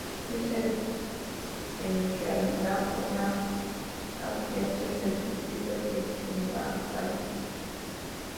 El es en realidad una ampliación del Distrito de Imabari.